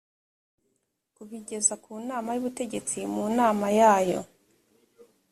kubigeza ku nama y ubutegetsi mu nama yayo